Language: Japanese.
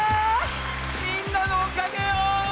みんなのおかげよ！